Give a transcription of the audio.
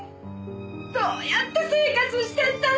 どうやって生活してったら。